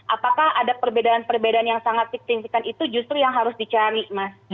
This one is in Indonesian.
apakah ada perbedaan perbedaan yang sangat signifikan itu justru yang harus dicari mas